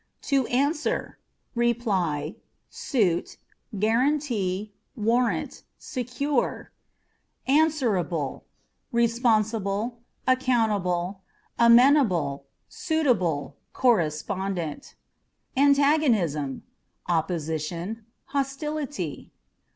To Answer â€" reply ; suit ; guarantee, warrant, secure. Answerable â€" responsible, accountable, amenable ; suitable, correspondent. Antagonismâ€" opposition, hostility.